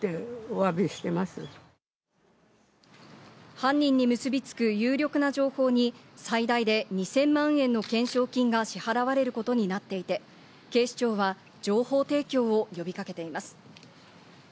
犯人に結びつく有力な情報に最大で２０００万円の懸賞金が支払われることになっていて、警視庁は情報提供を呼びかけています。